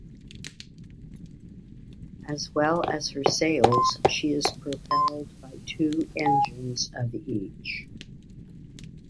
As well as her sails, she is propelled by two engines of each.